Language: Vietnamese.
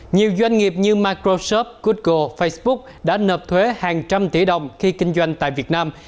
nhiều doanh nghiệp như microsoft google facebook đã nộp thuế hàng trăm tỷ đồng khi kinh doanh tại việt nam